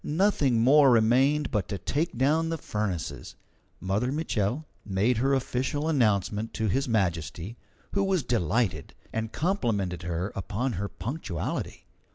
Nothing more remained but to take down the furnaces. Mother Mitchel made her official announcement to His Majesty, who was delighted, and complimented her upon her punctuality.